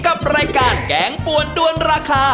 กับรายการแกงปวนด้วนราคา